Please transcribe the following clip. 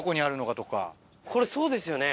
これそうですよね。